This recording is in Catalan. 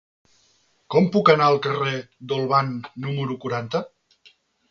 Com puc anar al carrer d'Olvan número quaranta?